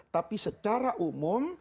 tapi secara umum